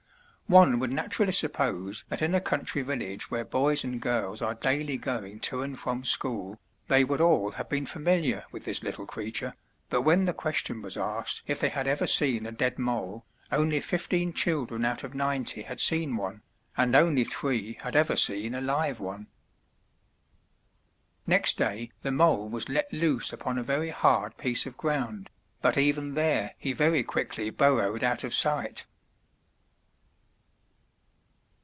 One would naturally suppose that in a country village where boys and girls are daily going to and from school, they would all have been familiar with this little creature, but when the question was asked if they had ever seen a dead mole, only fifteen children out of ninety had seen one, and only three had ever seen a live one. Next day the mole was let loose upon a very hard piece of ground, but even there he very quickly burrowed out of sight.